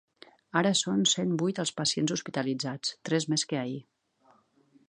Ara són cent vuit els pacients hospitalitzats, tres més que ahir.